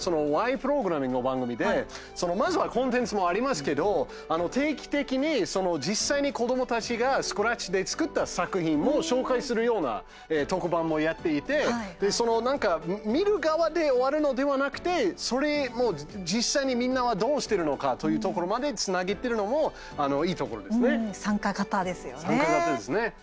プログラミング」の番組で、まずはコンテンツもありますけど、定期的に実際に子どもたちがスクラッチで作った作品も紹介するような特番もやっていて見る側で終わるのではなくて実際にみんなはどうしてるのかというところまでつなげてるのも参加型ですよね。